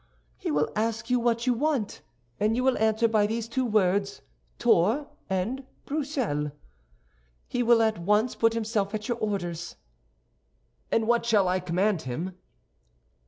"He will ask you what you want, and you will answer by these two words, 'Tours' and 'Bruxelles.' He will at once put himself at your orders." "And what shall I command him?"